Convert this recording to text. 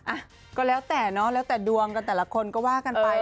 อ่ะก็แล้วแต่เนาะแล้วแต่ดวงกันแต่ละคนก็ว่ากันไป